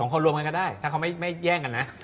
คนรวมกันก็ได้ถ้าเขาไม่แย่งกันนะ